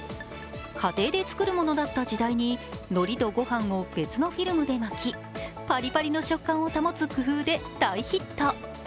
家庭で作るものだった時代にのりとごはんを別のフィルムで巻き、パリパリの食感を保つ工夫で大ヒット。